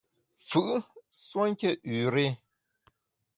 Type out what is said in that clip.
Mfù’ nsuonké üre !